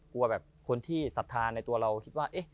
กลัวแบบคนที่ศรัทธาในตัวเราคิดว่า